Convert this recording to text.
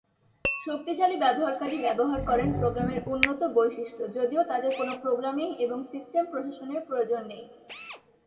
শক্তিশালী ব্যবহারকারী ব্যবহার করেন প্রোগ্রামের উন্নত বৈশিষ্ট্য যদিও তাদের কোন প্রোগ্রামিং এবং সিস্টেম প্রশাসনের প্রয়োজন নেই।